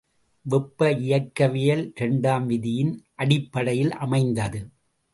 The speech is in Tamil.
வெப்பஇயக்கவியல் இரண்டாம் விதியின் அடிப்படையில் அமைந்தது.